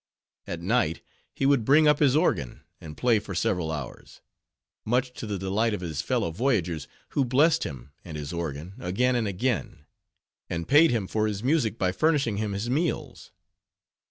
At night, he would bring up his organ, and play for several hours; much to the delight of his fellow voyagers, who blessed him and his organ again and again; and paid him for his music by furnishing him his meals.